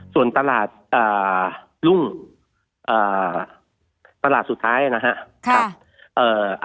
ส่วนตลาดรุ่งตลาดสุดท้ายนะครับ